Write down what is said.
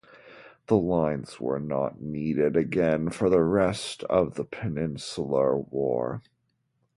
The lines were not needed again for the rest of the Peninsular War.